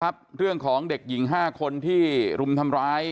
เรื่องของเด็กหญิง๕คนที่รุมทำร้าย